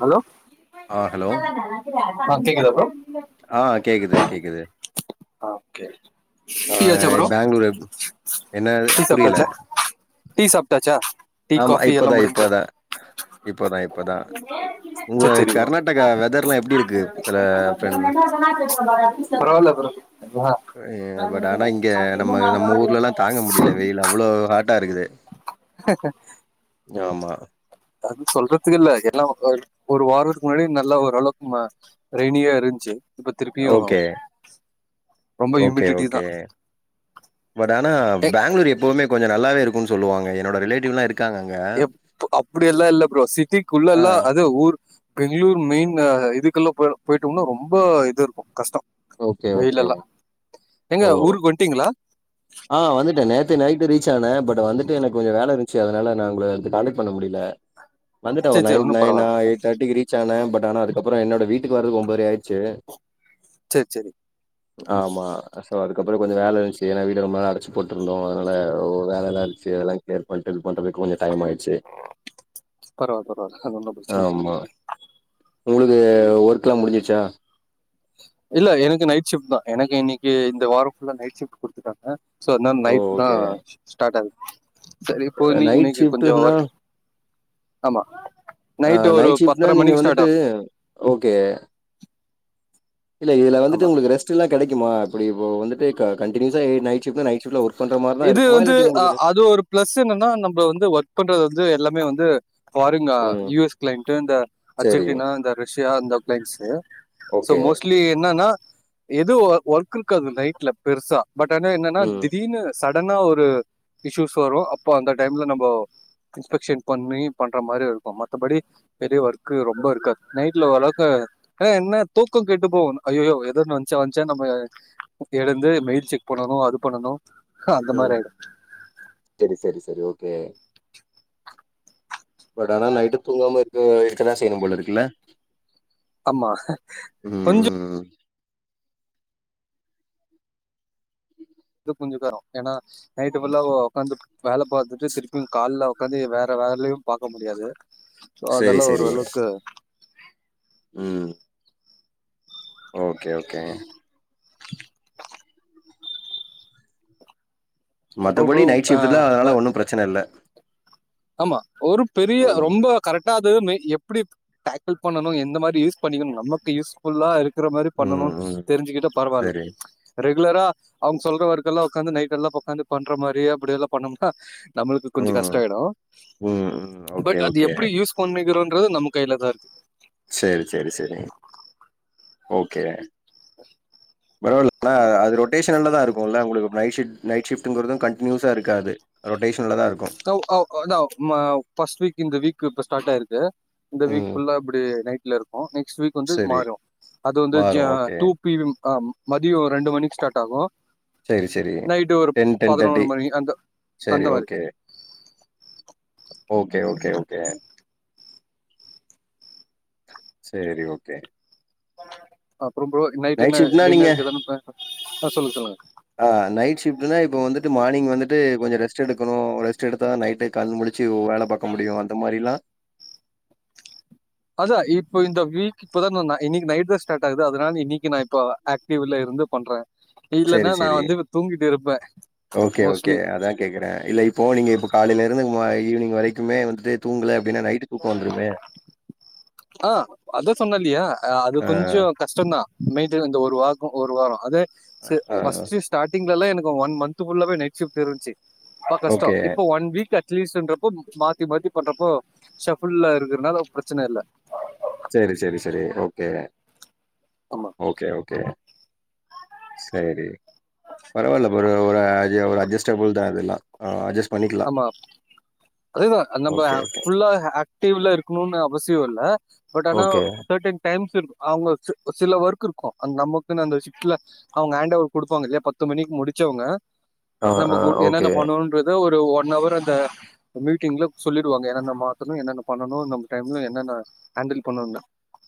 Hello ஆ hello கேக்குதா bro ஆ கேக்குது கேக்குது ஆ கே ஆ டீ ஆச்சா ப்ரோ பெங்களூரு என்ன டீ புரியல சாப்டாச்சா டீ சாப்டாச்சா டீ ஆமா காஃபி எல்லாம் இப்பதா முடிஞ்சு இப்பதா இப்பதா இப்பதா உங்க சேர் சேரி ப்ரோ கர்நாடகா வெதர்லா எப்டி இருக்கு தல ஃப்ரண்ட் பரவால்ல ப்ரோ ஆ அ பட் ஆனா இங்க நம்ம நம்ம ஊர்ல எல்லா தாங்க முடில வெயில் அவ்ளோ ஹாட்டா இருக்குது ஆமா அது சொல்றதுக்கில்ல எல்லொ ஒரு ஒரு வாரத்துக்கு முன்னாடி நல்ல ஓரளவுக்கு ம ரெய்னியா இருந்ச்சு இப்ப திருப்பியு ஓகே ரொம்ப ஓகே ஹியூமிடிட்டி தா ஓகே பட் ஆனா எ பேங்ளூர் எப்பவுமே கொஞ்ச நல்லாவே இருக்குன் சொல்லுவாங்க என்னோட ரிலேட்டிவ்லா இருக் எப் அப்பிடியெல்லா இல்ல ப்ரோ சிட்டிக்குள்ள ஆ எல்லா அது ஊர் பெங்களூர் மெயின் இதுக்குள்ள போ போய்ட்டம்னா ரொம்ப இது இருக்கு கஷ்டம் ஓகே ஓகே ஏங்க ஓ ஊருக்கு வன்ட்டிங்களா ஆ வந்துட்டே நேத்தே நைட்டு ரீச் ஆன பட் வந்துட்டு எனக்கு கொஞ்ச வேல இருந்துச்சு அதனால நா உங்கள காண்டாக்ட் பண்ண முடில வந்துட்ட ஒரு சேரி ந சேரி ஒன்னு நயன் பரவால்ல எய்ட் தேர்டிக்கு ரீச் ஆன பட் ஆனா அதுக்கப்புற என்னோட வீட்டுக்கு வரதுக்கு ஒம்பதரை ஆயிர்ச்சு சேரி சேரி ஆமா சோ அதுக்கப்புற கொஞ்ச வேலை இருந்ச்சு ஏனா ரொம்ப நாளா அடச்சு போட்ருந்தோ அதனால வேலைலா இருந்ச்சு அதெல்லா கிளியர் பண்ட்டு ஹெல்ப் பண்றதுக்கு கொஞ்ச டைம் ஆயிடுச்சு பரவால்ல பரவால்ல அது ஒன்னு பிரச்சன ஆமா உங்குளுது ஒர்க் எல்லா முடிஞ்சிருச்சா இல்ல எனக்கு நைட் ஷிஃப்ட் தா எனக்கு இன்னைக்கு இந்த வார ஃபுல்லா நைட் ஷிஃப்ட் குடுத்துட்டாங்க சோ அதனால ஓ நைட் தா ஓகே ஸ்டார்ட் ஆகுது சரி இப்போ நீ நைட் இன்னைக்கு கொஞ்சோ ஷிஃப்ட்டுனா ஒர்க் ஆமா ஆ ஒரு நைட் ஷிஃப்ட்னா பத்தர நீங்க மணிக்கு ஸ்டார்ட் வந்துட்டு ஆகு ஓகே இல்ல இதுல ஆமா வந்துட்டு உங்களுக்கு ரெஸ்ட் எல்ல கடைக்குமா இப்படி இப்ப வந்துட்டு கண்டின்யூஸ்ஸா நைட் சிஃப்ட்னா நைட்சிஃப்ட்னா ஒர்க் பண்ற மாரிதா இது இருக்குமா வந்து இல்லாட்டி ஆ உங்களுக்கு ரெஸ்ட் அது ஒரு ப்ளஸ் என்னன்னா நம்ப வந்து ஒர்க் பண்றது வந்து எல்லாமே வந்து ஃபாரின்ங்க ம் யு எஸ் க்ளைண்ட்டு இந்த சரி அர்ஜென்டினா இந்த ரஷ்யா இந்த க்ளைண்ட்ஸு சோ ஓகே மோஸ்ட்லி என்னன்னா எது ஒ ஒர் ஒர்க் இருக்காது நைட்ல பெருசா பட் ஆனா என்னன்னா ம் திடீர்னு ஸடனா ஒரு இஷ்யூஸ் வரூ அப்போ அந்த டைம்ல நம்போ இன்ஸ்பெக்ஷன் பண்ணி பண்ற மாரி இருக்கூ மத்தபடி பெரிய ஒர்க்கு ரொம்ப இருக்காது நைட்ல ஓரளவுக்கு ஆனா என்ன தூக்கோ கெட்டு போகு அய்யோ எதான்னு வந்ச்சா வந்ச்சா நம்ம எழுந்து மெயில் செக் பண்ணணு அது பண்ணணு ம் செரி செரி செரி ஓகே பட் ஆனா நைட்டு தூங்காம இருக்க இருக்கதா செய்யணு போலருக்குல்ல ஆமா கொஞ்சோ ஏதோ கொஞ்சக்காலோ ஏன்னா நைட்டு ஃபுல்லா ஒக்காந்து வேல பாத்துட்டு திருப்பியு கால்ல ஒக்காந்து வேற வேலயு பாக்க முடியாது சோ செரி அதெல்லா செரி ஓரளவுக்கு ம் ஓகே ஓகே அப்றோ மத்தபடி ப்ரோ நைட் ஆ ஷிஃப்ட் தா அதனால ஒன்னு பிரச்சன இல்ல ஆமா ஒரு பெரிய ம் ரொம்ப கரெக்ட் டா அது வந்து மெ எப்டி டாக்கிள் பண்ணணு எந்த மாரி யூஸ் பண்ணிக்கனு நமக்கு யூஸ் ஃபுல்லாரு க்குற மாரி பண்ணணு ம் ம் தெரிஞ்சுக்கிட்டா பரவால்ல சரி ரெகு ரெகுலரா அவுங்க சொல்ற ஒர்க்கெல்லா ஒக்காந்து நைட்டெல்லா ஒக்காந்து பண்ற மாரி அப்டியெல்லா பண்ணோ னா நம்மளுக்கு கொஞ்சோ ம் கஷ்டோ ஆயிடூ ம் ம் ஓகே பட் அத ஓகே எப்டி யூஸ் பண் ணிக்கிறோன்றது நம்ம கைல தா இருக்கு செரி செரி செரி ஓகே பரவால்ல அது ரொட்டேஷன்ல தா இருக்குல்ல உங்களுக்கு நைட் ஷிஃப்ட் நைட் ஷிஃப்ட்டுங்கிறதூ கன்டினியூஸ்ஸா இருக்காது ரொட்டேஷ் கோ கா ஆ அதா ம ஃ பர்ஸ்ட் வீக் இந்த வீக் இப்ப ஸ்டார்ட் ஆயிருக்கு இந்த வீக் ம் ஃபுல்லா இப்டி நைட்ல இருக்கு நைட் நெக்ஸ்ட் வீக் வந்து செரி மாறூ அது வந்து மாறும் ஆ ஓகே டூ பீ எம் மதியோ ஒரு ரெண்டு மணிக்கு ஸ்டார்ட் ஆகு செரி செரி டென் டென் தேர்ட்டி பதினொன்று மணி அந்த செரி அந்த மாதிரி ஓகே ஓகே ஓகே ஓகே செரி ஓகே ரொம்ப‌ நைட் என்ன ஷிஃப்ட்னா நீங்க டின்னருக்கு எதான்னு ப ஆ சொல்லுங்க சொல்லுங்க ஆ நைட் ஷிஃப்ட்னா இப்ப வந்துட்டு மார்னிங் வந்துட்டு கொஞ்சோ ரெஸ்ட் எடுக்கனு ரெஸ்ட் எடுத்தா தா நைட்டு கண்ணு முழி ச்சு வேல பாக்க முடியு அந்த மாரி லா அதா இப்போ இந்த வீக் இப்ப தா நா இன்னைக்கு நைட் தா ஸ்டார்ட் ஆகுது அதனால இன்னைக்கு நா இப்ப ஆக்டிவ்ல வந்து பண்றே இல்லன்னா சரி, நா சரி. வந்து இப்ப தூங்கிட்டு இருப்பே ஓகே ஓகே அதா கேக்குறே இல்ல இப்போ நீங்க இப்ப காலைல இருந்து ஈவ்னிங் வரைக்குமே வந்துட்டு தூங்கல அப்டின்னா நைட்டு் தூக்க வந்துருமே ஆ அதா சொன்னேஇல்லையா அது ஆ, கொஞ்சோ கஷ்டோதா மெயின்டேன் இந்த ஒரு வாக் ஒரு வாரோ அதே அ, ஆ. ஃபர்ஸ்ட்டு ஸ்டார்டிங்லலா எனக்கு ஒன் மந்த் குள்ளவே நைட் ஷிஃப்ட் இருந்துச்சு ரொம்ப கஷ்டோ ஓகே. இப்போ ஒன் வீக் சீஸ்ஸுன்றப்ப மாத்தி மாத்தி பண்றப்போ ஷஃபுல்லா இருக்கறனால பிரச்சன இல்ல செரி செரி செரி ஓகே ஆமா ஓகே ஓகே செரி பரவால்ல ப்ரோ ஒரு அஜி அஜெஸ்டபுள் தா இதெல்லா அஜெஸ் ஆமா அதேதா நம்ப ஓகே, ஓகே. ஃபுல்லா ஆக்டிவ்ல இருக்கணுனு அவசி யோ இல்ல பட் ஆனா ஓகே. ஸட்டன் டைம்ஸ் இரு அவுங்க சில ஒர்க் இருக்கு அந்த நமக்குன்னு அந்த ஷிஃப்ட்ல அவுங்க ஹாண்ட்ஓவர் குடுப்பாங்க இல்லையா பத்து மணிக்கு முடிச்சவங்க ஆ, ஆ. நமக்கு ஒ என்னென்ன ஓகே. பண்ணணுன்றது ஒரு ஒன் அவர் அந்த எ மீட்டிங்ல சொல்லிருவாங்க என்ன மாத்தணு என்னென்ன பண்ணனு நம்ம டைம்ல என்னென்ன ஹேண்டில் பண்ணணுனு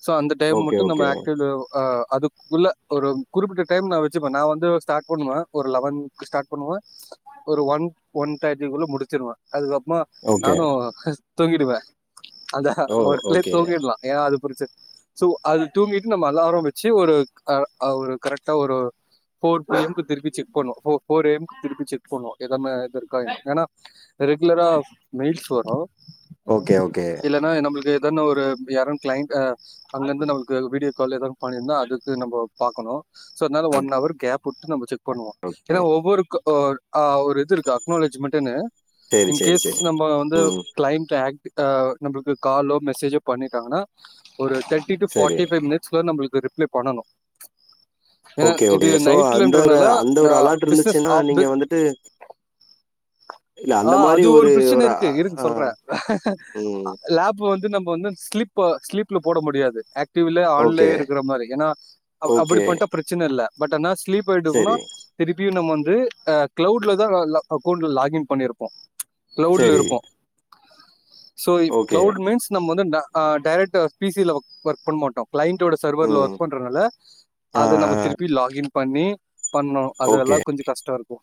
சோ அந்த டைம் ஓகே, மட்டு நம்ம ஓகே. ஆக்டிவ்ல ஆ அதுக்குள்ள ஒரு குறிப்பிட்ட டைம் நா வச்சுப்பே நா வந்து ஸ்டார்ட் பண்ணுவே ஒரு லவென்க்கு ஸ்டார்ட் பண்ணுவே ஒரு ஒன் ஒன் தேர்ட்டிக்குள்ள முடிச்சுருவே அதுக்கப்ற ஓகே. நானு தூங்கிடுவே அதா ஓ! ஒர்க்லே ஓகே. தூங்கிட்லா ஏனா அது புடிச்சு சோ அது தூங்கிட்டு நம்ம அலாரம் வெச்சு ஒரு அ அ ஒரு கரெக்டா ஒரு ஃபோர் எ எம் க்கு திருப்பி செக் பண்ணுவோ‌‌‌ ஃபோ ஃபோர் எ எம் க்கு திருப்பி செக் பண்ணுவோ எல்லாமே கரெக் ஏனா ரெகுலரா மீல்ஸ் வரு ஓகே ஓகே தென் ஒரு யாரு கிளைண்ட் அ அங்கருந்து நம்மளுக்கு வீடியோ கால் எதாவ்து பண்ணிருந்தா அதுக்கு நம்ப பாக்கணு சோ அதனால ஓ ஒன் அவர் கேப் விட்டு நம்ப செக் பண்ணுவோ ஓகே ஏனா ஒவ்வொருக்கு ஓ அ ஒரு இது இருக்கு அக்னாலேஜ்மென்ட்னு சேரி இன் சேரி கேஸ் சேரி நம்ப வந்து ம் கிளைன்ட் ஆக் அ நம்பளுக்கு காலோ மெசேஜோ பண்ணிட்டாங்கனா ஒரு தெர்ட்டி டூ சரி ஃபாட்டி ஃபைவ் மினிட்ஸ்ல நம்பளுக் கு ரிப்ளே பண்ணணு ஏனா ஓகே இது ஓகே சோ அந்த ஒரு நைட்லன்றனால அந்த நா ஒரு அலாட் பிஸ்னஸ் இருந்துச்சுன்னா ஆஃப் நீங்க வித் வந்துட்டு இல்ல ஆ அந்த மாரி அது ஒரு பிரச்சன அ இருக்கு இருக்கு ஆ சொல்றே ம் லேப் இப்ப வந்து நம்ப வந்து ஸ்லிப்பு ஸ்லீப்ல போட முடியாது ஆக் டிவிலே ஆன்லே ஓகே இருக்குற மாரி ஏனா அப் அப்டி ஓகே பண்ட்டா பிரச்சன இல்ல பட் ஆனா கிலீப் ஆயிட்டோமுனா சரி திருப்பியு நம்ம வந்து அ கிளவ்ட்ல தா எல்லா அக்கௌண்ட்டு லாகின் பண்ணிருப்போ கிளவ்ட்ல சரி இருக்கு ஸோ இப் ஓகே கிளவ்டு மீன்ஸ் நம்ம வந்து டா ஆ டேரெக்ட்டா பீ சி ல ஒக் ஒர்க் பண்ண மாட்டோ கிளைண்ட்டோட சர்வர்ல ம் ஒர்க் பண்றனால ஆ அத நம்ம ஆ திருப்பி லாகின் பண்ணி பண்ணோ அதெல்லா கொஞ்ச ட்ரஸ்ட்டா இருக்கு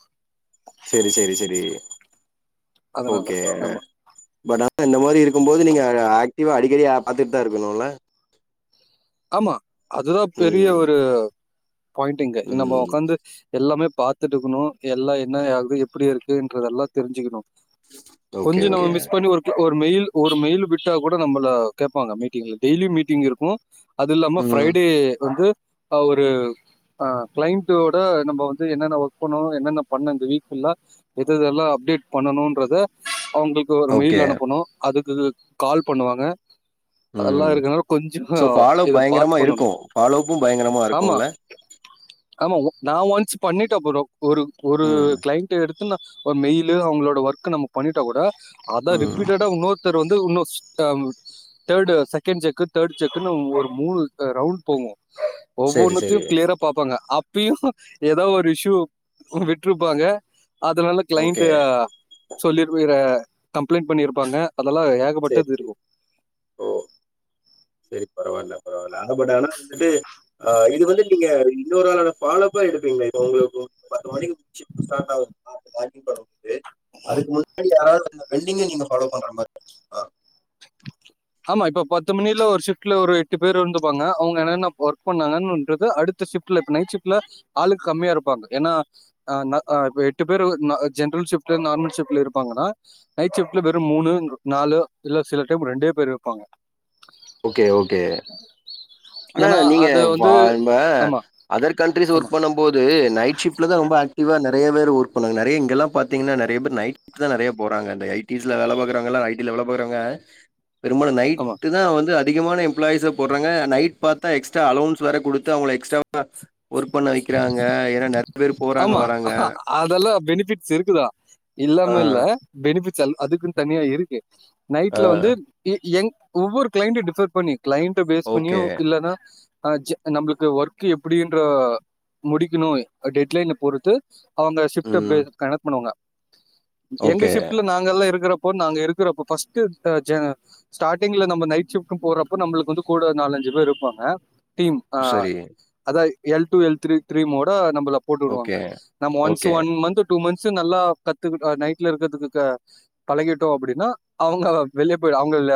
சேரி சேரி சேரி அதனால ஓகே ஆமா பட் ஆ னா இந்த மாரி இருக்கும் போது நீங்க ஆக்டிவா அடிக்கடி அ பாத்துட்டு தா இருக்கணுல ஆமா அதுதா பெரிய ம் ஒரு பாயிண்ட்டிங்கு நம்ப ம் ஒக்காந்து எல்லாமே பாத்துட்டு இருக்கணு எல்லா என்னயாகுது எப்டி இருக்குன்றதெல்லா தெரிஞ்சுக்கணு ஓகே கொஞ்ச நம்ம ஓகே மிஸ் பண்ணி ஒரு ஒரு மெயில் ஒரு மெயில் விட்டா கூட நம்மள கேப்பாங்க மீட்டிங்ல டெய்லி மீட்டிங் இருக்கு அது இல்லாம ம் ஃப்ரைடே வந்து ஆ ஒரு ஆ கிளைண்ட்டோட நம்ப வந்து என்னென்ன ஒர்க் பண்ணோ என்னென்ன பண்ணோ இந்த வீக் ஃபுல்லா எது எது எல்லா அப்டேட் பண்ணணும்ன்றத அவுங்குளுக்கு ஒரு ஓகே மெயில் அனுப்பணு அதுக்கு கால் பண்ணுவாங்க அதெல்லா ம் இருக்கனால கொஞ்சோ ஆ சோ ஃபாலோ இத பாத்து பயங்கரமா பண்ணணு இருக்கும் ஃபாலோப்பும் பயங்கரமா ஆமா இருக்கும்ல ஆமாங்க நா ஒன்ஸ் பண்ணிட்டாப் புரோ ஒரு ஒரு ம் கிளைண்ட்டு எடுத் துனா ஒரு மெய்லு அவுங்களோட ஒர்க்க நம்ம பண்ணிட்டா கூட அத ம் ரிப்பீட்டடா உன்னொருத்தர் வந்து உன்னொ தம் தேர்டு சகெண்ட் செக்கு தேர்ட் செக்குன்னு ஒரு மூணு அ ரவுண்ட் போவோ சரி சரி ஒவ்வொன்னத்தையு கிளியரா பாப்பாங்க அப் ப்பயு சோ எதோ ஒரு இஷ்யூ ஒன்னு விட்ருப்பாங்க அதனால ஓகே கிளைண்ட்டு ஆ சொல்லிருப்பிற கம்ப்ளைண்ட் பண்ணிருப்பாங்க அதெல்லா சரி ஏகப்பட்டது சரி இருக்கு சேரி பரவால்ல பரவால்ல ஆனா பட் ஆனா வந்துட்டு ஆ இது வந்து நீங்க இன்னொரு ஆளோட ஃபாலோ இப்ப எடுப்பீங்ளா இப்போ உங்களுக்கு பத்து மணிக்கு ஷிஃப்ட்டு ஸடார்ட் ஆகுதுனா அத லாகின் பண்ணுவோ து அதுக்கு முன்னாடி யாராவ்து வந்தா வெல்லிங்கா நீங்க ஃபாலோ பண்ற மாரி இருக்குங்ளா ஆமா இப்ப பத்து மணில ஒரு ஷிஃப்ட்ல ஒரு எட்டு பேரு இருந்துக்வாங்க அவுங்க என்னென்ன ஒர்க் பண்ணாங்கன்றது அடுத்து ஷிஃப்ட்ல இப்ப நைட் ஷிஃப்ட்ல ஆளுக் கம்மியா இருப்பாங்க ஏனா அ நா ஆ இப்ப எட்டு பேருல நா ஜென்ட்ரல் ஷிஃப்ட்ல நார்மல் ஷிஃப்ட்ல இருப்பாங்கனா நைட் ஷிஃப்ட்ல வெரு மூணுங் நாலு இல்ல சிலட் ரெண்டே பேர் இருப்பாங்க ஓகே ஓகே ஆனா ஏன்னா, நீங்க அது வந்து வால்ப இந்த ஆமா, அதற் கண்ட்ரிஸ் ஆமா, ஒர்க் பண்ணும் போது நைட் ஷிப்டில தான் ரொம்ப ஆக்டிவா நெறைய பேர் ஒர்க் பன்னாது நெரையா இங்கல்லா பாத்தீங்கனா நிறையா பேர் நைட்ல நெறைய போராங்க இந்த ஐடீஸ்ல வேல பாக்குரவங்கலா ஐடீ ல சொல்ல போறங்க பெரும்பாலும் ஆமா. நைட்டு தான் வந்து அதிகமான எம்ப்ளாய்ஸ்ச போடுறாங்க நைட் பாத்தா எக்ஸ்ட்ரா அலவுன்ஸ் வேர குடுத்து அவுங்கள எக்ஸ்ட்ராவா ஒர்க் பண்ண வெக்கிறாங்க ஏ ஏன்னா நெறையா பேர் போறாங்க வராங்க பெனிபிட்ஸ் இருக்குதா ஆ இல்லாம இல்ல பெனிபிட்ஸ் அல் அதுக்குன் தனியா இருக்கு ஆ நைட்ல வந்து ஏ எங் ஒவ்வொரு கிளைண்ட டிபர் பண்ணி கிளைண்ட்ட பேஸ் பண்ணியு ஓகே இல்லனா ஆ ஜெ நம்ளுக்கு ஒர்க்கு எப்டின்ற முடிக் முடிக்கணு டெட்லைன் அ பொறுத்து அவுங்க ஷிப்ட ம் பேஸ் கனக்கு பண்ணுவாங்க எங்க ஓகே ஷிப்ட்ல நாங்கல்லா இருக்குற இப்போ நாங்க இருக்குறப்போ பஸ்ட்டு ஸ்டார்டிங் ல நம்ம நைட் ஷிப்ட் போறப்ப நம்மளுக்கு வந்து கூட நலஞ்சு அஞ்சி பேர் இருப்பாங்க டீம் ஆ சரி அத L two L three three மோட நம்பல போட்டு விடுவாங்க ஓகே நம்ம once okay one month two month once நல்லா கத்துக்குட்டா நைட்ல இருக்குறத்துக்கு பழகிட்டோ அப்டின்னா அவுங்க வெளிய போய் அவுங்க இல்ல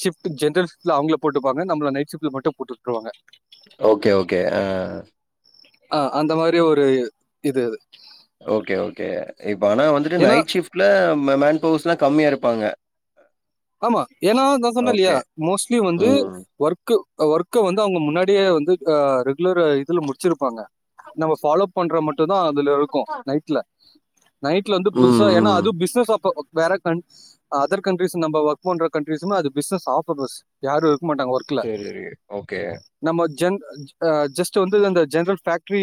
ஷிப்ட் ஜென்றல் ஷிப்ட்ல அவுங்கல போட்டுப்பாங்க நப்ல னைட் ஷிப்ட்ல மட்டும் போட்டு உட்ருவாங்க ஓகே ஓகே ஆ ஆ அந்த மாதிரி ஒரு இது அது ஓகே ஓகே இப்ப ஆனா வந்துட்டு ஏன்னா நைட் ஷிப்ட்ல மே மேன் பவர்ஸ்ல்லாம் கம்மியா இருப்பாங்க ஆமா ஏன்னா நான் சொன்னா இல்லியா ஓகே மோஸ்ட்லி வந்து ம் ஒர்க்கு ஆ ஒர்க்க வந்து அவுங்க முன்னாடியே வந்து ஆ ரெகுலர் இதுல முடிச்சிருப்பாங்க நம்ம பாலோப் பண்ற மட்டும் தான் அதுல இருக்கு நைட்ல நைட்ல வந்து புதுசா ம் ஏன்னா ம் அதும் பிஸ்னஸ் ஆப்பா வேற கண் அதர் கண்ட்ரீஸ் நம்ம ஒர்க் பண்ற கண்ட்ரீஸ்சும் அது பிஸ்னஸ் ஆபர்ஸ் பஸ் யாரு இருக்க மாட்டாங்க ஒர்க்ல சரி சரி ஓகே நம்ம ஜன் ஆ ஜஸ்டு வந்து அந்த ஜென்ரல் பேக்ட்ரி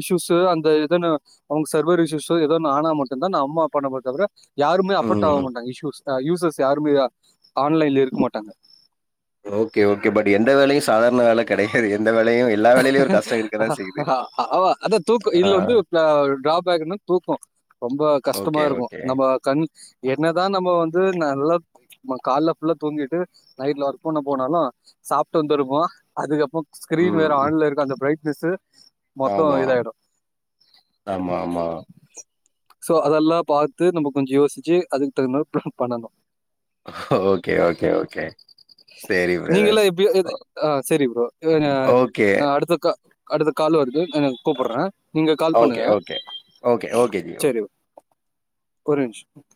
இஸ்யூஸ் அந்த இதன அவங்க சர்வர் ஷோ ஏதான ஆனா மட்டுந்தான் நான் அம்மா அப்பாட்டா பெதவிர யாருமே அபக்ட் ஆக ம் மாட்டாங்க இஷ்யுஸ் யூசர்ஸ் யாருமே ஆன்லைன்ல இருக்க மாட்டாங்க ஓகே ஓகே பட் எந்த வேலையும் சாதார்ண வேல கெடையாது எந்த வேலையு எல்லா வேலையிலு ஹ ஹா ஆமா அத தூக்கம் ஆ இதுல வந்து ட்ராபேக்னா தூக்க ரொம்ப கஸ்டமா ஓகே இருக்கும் ஓகே. நம்ம கண் என்னதான் நம்ம வந்து நல்லா நம்ம கால்ல புல்ல தூங்கிட்டு நைட்ல ஒர்க் பண்ண போனாலும் சாப்ட்டு வந்துருவோ அதுக்கபற போன் ம் வேற ஆண்ல இருக்கும் அந்த பிரைட்னஸ்சு ஆமா ஆமா ஆமா சோ அதெல்லாம் பார்த்து நம்ம கொஞ்சம் யோசிச்சு அதுக்கு தகுந்தாமாதிரி ப்லான் பண்ணனு ஓகே ஓகே ஓகே சரி பிரதர். நீங்கல்லாம் எப்டி இ ஆ சரி ப்ரோ ஓகே. அடுத்தக்க அடுத்த கால் வருது நான் கூப்புற்றேன் நீங்க கால் ஓகே பண்ணுங்க ஓகே. Okay okay G. செரி ஒரு நிமிஷம்